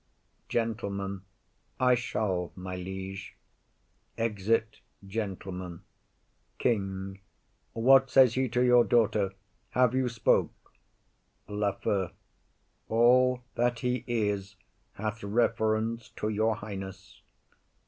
GENTLEMAN. I shall, my liege. [Exit Gentleman.] KING. What says he to your daughter? Have you spoke? LAFEW. All that he is hath reference to your highness.